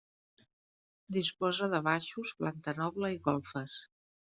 Disposa de baixos, planta noble i golfes.